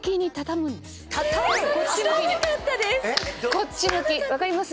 こっち向き分かります？